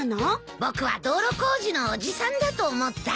僕は道路工事のおじさんだと思ったよ。